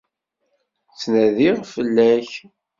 Ttnadiɣ fell-ak.